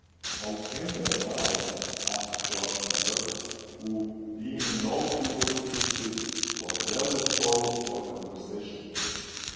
"How came that about?" asked Josh Pedler, who, being in no humour to sleep, was well disposed for conversation.